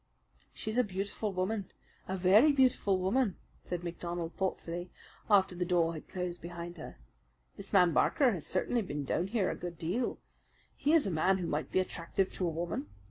"She's a beautiful woman a very beautiful woman," said MacDonald thoughtfully, after the door had closed behind her. "This man Barker has certainly been down here a good deal. He is a man who might be attractive to a woman.